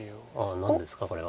何ですかこれは。